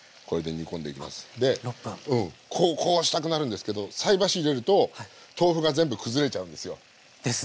でこうしたくなるんですけど菜箸入れると豆腐が全部崩れちゃうんですよ。ですね。